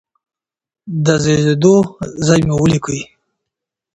د زیږیدو ځای مو ولیکئ.